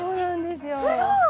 すごい！